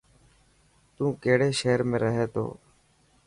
تو ڪهڙي شهر ۾ رهي ٿو